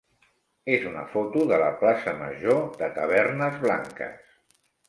és una foto de la plaça major de Tavernes Blanques.